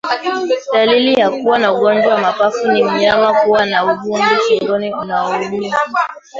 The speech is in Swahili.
Dalili ya kuwa na ugonjwa wa mapafu ni mnyama kuwa na uvimbe shingoni unaouma